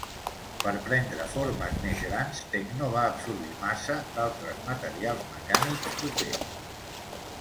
Per prendre formes més grans, Techno va absorbir massa d'altres materials mecànics propers.